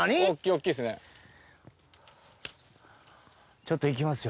ちょっといきますよ。